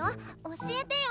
教えてよ